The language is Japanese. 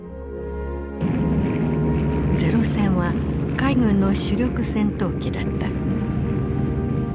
零戦は海軍の主力戦闘機だった。